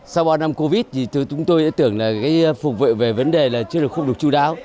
sau ba năm covid thì chúng tôi đã tưởng là cái phục vụ về vấn đề là chưa được không được chú đáo